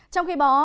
trong khi bó